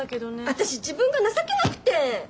私自分が情けなくて！